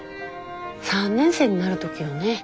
３年生になる時よね。